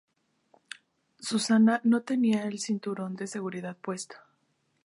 Susan no tenía el cinturón de seguridad puesto.